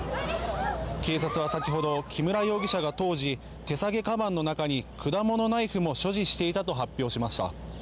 警察は先ほど、木村容疑者が当時、手提げかばんの中に果物ナイフも所持していたと発表しました。